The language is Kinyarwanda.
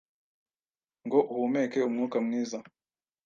ngo uhumeke umwuka mwiza